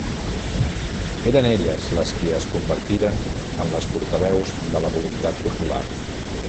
Eren elles les qui es convertiren en les portaveus de la voluntat popular.